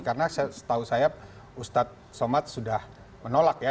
karena setahu saya ustaz somad sudah menolak ya